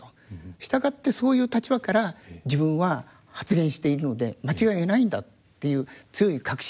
従ってそういう立場から自分は発言しているので間違いないんだっていう強い確信があったというふうに思います。